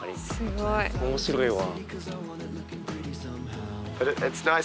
面白いわ。